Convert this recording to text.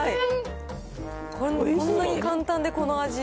こんなに簡単でこの味。